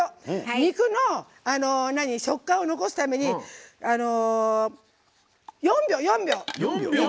肉の食感を残すために４秒。